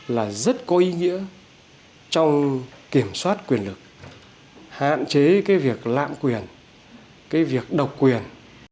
là rất có ý nghĩa trong kiểm soát quyền lực hạn chế việc lạm quyền việc độc quyền